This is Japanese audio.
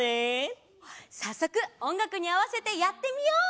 さっそくおんがくにあわせてやってみよう！